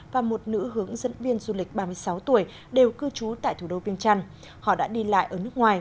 và một nữ hướng dẫn viên du lịch ba mươi sáu tuổi đều cư trú tại thủ đô viên trăn họ đã đi lại ở nước ngoài